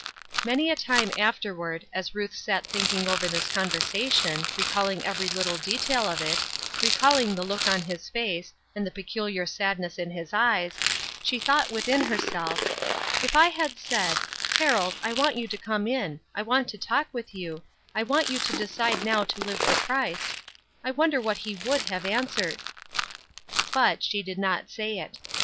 Many a time afterward, as Ruth sat thinking over this conversation, recalling every little detail of it, recalling the look on his face, and the peculiar sadness in his eyes, she thought within herself, "If I had said, 'Harold, I want you to come in; I want to talk with you; I want you to decide now to live for Christ,' I wonder what he would have answered." But she did not say it.